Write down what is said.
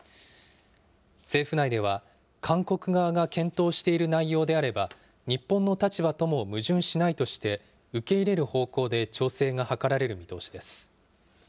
政府内では、韓国側が検討している内容であれば、日本の立場とも矛盾しないとして受け入れる方向で調整が図られる見通しです。